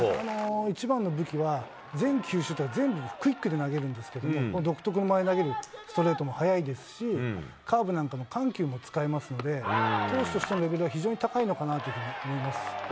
一番の武器は全球種、全部クイックで投げるんですけど、独特の間で投げるストレートも速いですし、カーブなんかも緩急も使えますので、投手としてのレベルは非常に高いのかなと思います。